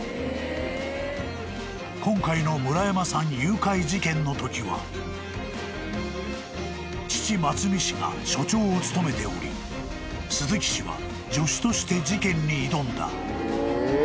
［今回の村山さん誘拐事件のときは父松美氏が所長を務めており鈴木氏は助手として事件に挑んだ］